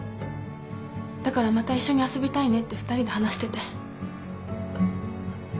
だからまた一緒に遊びたいねって２人で話してて。